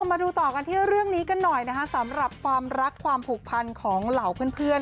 มาดูต่อกันที่เรื่องนี้กันหน่อยนะคะสำหรับความรักความผูกพันของเหล่าเพื่อน